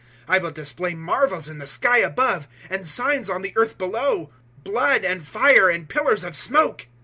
002:019 I will display marvels in the sky above, and signs on the earth below, blood and fire, and pillars of smoke.